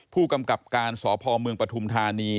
ผู้กำกับการสพเมืองปฐุมธานี